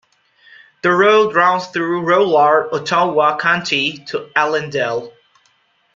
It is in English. The road runs through rural Ottawa County to Allendale.